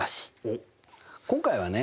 今回はね